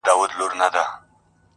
يوه مياشت وروسته ژوند روان دی,